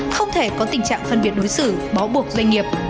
không thể có tình trạng phân biệt đối xử bó buộc doanh nghiệp